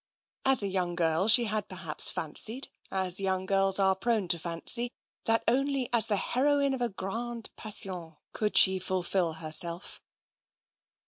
As a young girl, she had perhaps fancied, as young girls are prone to fancy, that only as the heroine of 2L grande passion could she fulfil herself.